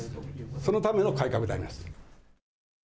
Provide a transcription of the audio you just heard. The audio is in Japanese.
そのための改革であります。